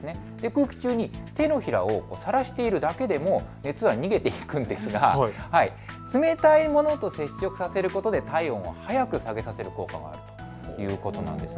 空気中に手のひらをさらしているだけでも熱は逃げていくんですが、冷たいものと接触させることで体温を早く下げさせる効果もあるということなんです。